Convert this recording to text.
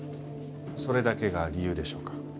それだけが理由でしょうか？